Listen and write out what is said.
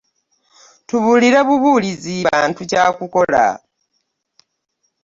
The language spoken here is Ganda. Tubuulire bubuulizi bantu kya kukola.